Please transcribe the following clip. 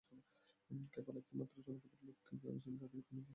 কেবল সেই একটি মাত্র জনপদের লোককেই করেছেন যাদেরকে তিনি বানরে পরিণত করেন।